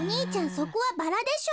そこはバラでしょ。